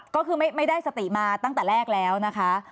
ก็คือไม่ได้สติมาตั้งแต่แรกแล้วนะคะ